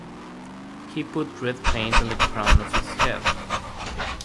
He put red paint on the crown of his head.